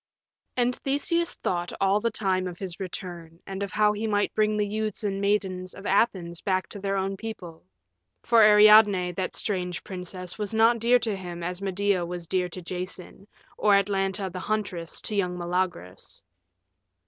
And Theseus thought all the time of his return, and of how he might bring the youths and maidens of Athens back to their own people. For Ariadne, that strange princess, was not dear to him as Medea was dear to Jason, or Atalanta the Huntress to young Meleagrus.